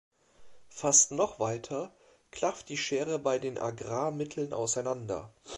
Fast noch weiter klafft die Schere bei den Agrarmitteln auseinander.